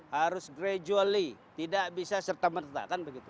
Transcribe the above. harus gradually tidak bisa serta merta kan begitu